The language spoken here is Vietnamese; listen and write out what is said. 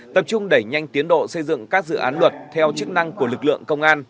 tập trung đẩy nhanh tiến độ xây dựng các dự án luật theo chức năng của lực lượng công an